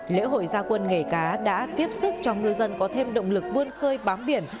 lễ hội gia quân nghề cá đã tiếp sức cho ngư dân có thêm động lực vươn khơi bám biển